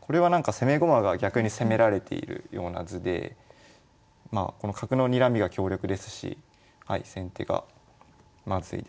これはなんか攻め駒が逆に攻められているような図でまあこの角のにらみが強力ですし先手がまずいですね。